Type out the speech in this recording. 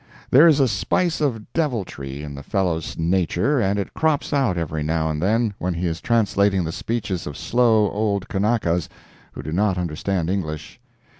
There is a spice of deviltry in the fellow's nature and it crops out every now and then when he is translating the speeches of slow old Kanakas who do not understand English.